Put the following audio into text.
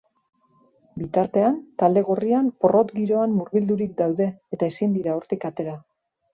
Bitartean, talde gorrian porrot giroan murgildurik daude eta ezin dira hortik atera.